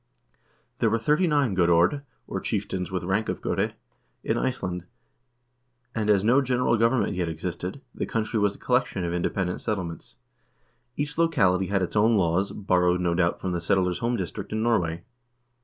There were thirty nine godord, or chieftains with rank of gode, in Iceland, and as no general government yet existed, the country was a collection of independent settlements. Each locality had its own laws, borrowed, no doubt, from the settlers' home district in Norway.